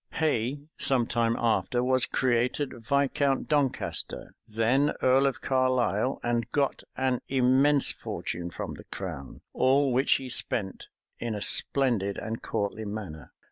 Hay, some time after, was created Viscount Doncaster, then earl of Carlisle, and got an immense fortune from the crown, all which he spent in a splendid and courtly manner.